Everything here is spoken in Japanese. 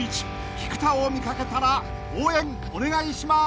［菊田を見掛けたら応援お願いします］